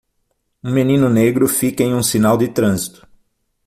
Um menino negro fica em um sinal de trânsito.